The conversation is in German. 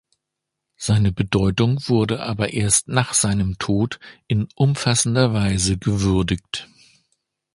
Seine Bedeutung wurde aber erst nach seinem Tod in umfassender Weise gewürdigt.